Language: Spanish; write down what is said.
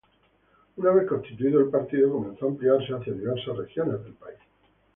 Una vez constituido el partido, comenzó a ampliarse hacia diversas regiones del país.